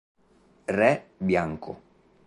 Re Bianco